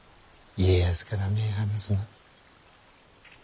家康から目ぇ離すな。